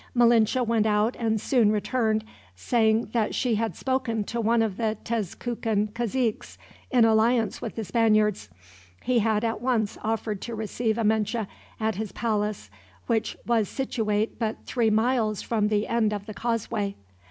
Malinche went out and soon returned, saying that she had spoken to one of the Tezcucan caziques in alliance with the Spaniards. He had at once offered to receive Amenche at his palace, which was situate but three miles from the end of the causeway.